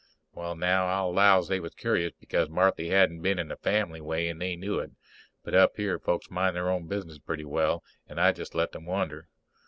_ Well, now, I'll 'low they was curious, because Marthy hadn't been in the family way and they knew it. But up here folks minds their own business pretty well, and I jest let them wonder.